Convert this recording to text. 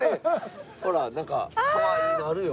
ほらなんかかわいいのあるよ。